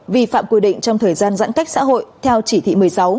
vi phạm quy định trong thời gian giãn cách xã hội theo chỉ thị một mươi sáu